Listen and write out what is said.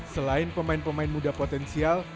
selain pemain pemain muda potensial